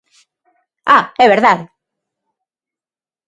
Ah, é verdade.